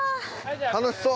楽しそう。